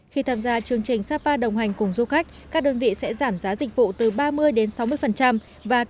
khi tham gia chương trình sapa đồng hành cùng du khách các đơn vị sẽ giảm giá dịch vụ từ ba mươi sáu mươi và cam kết giữ nguyên hoặc nâng cao chất lượng dịch vụ phục vụ du khách